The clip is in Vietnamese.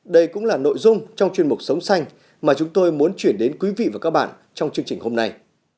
đây cũng là nội dung trong chuyên mục sống xanh mà chúng tôi muốn chuyển đến quý vị và các bạn trong chương trình hôm nay